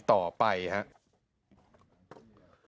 สุดท้ายตำรวจสระบุรีช่วยสกัดจับหน่อย